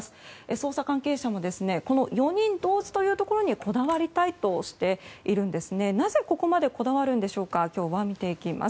捜査関係者もこの４人同時というところにこだわりたいとしています。